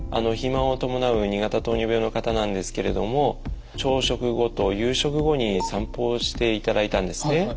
肥満を伴う２型糖尿病の方なんですけれども朝食後と夕食後に散歩をしていただいたんですね。